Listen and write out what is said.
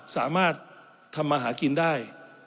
สามารถทำมาหากินได้